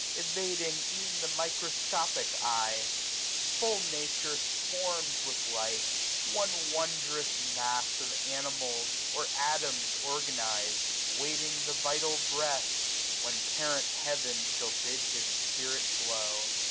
Evading ev'n the microscopic eye ! Full Nature swarms with life ; one wondrous mass Of animals, or atoms organized, 2^0 Waiting the vital Breath, when Parent Heaven Shall bid his spirit blow.